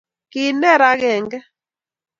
Kiner agenge